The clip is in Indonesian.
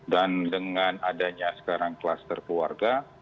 dan dengan adanya sekarang kluster keluarga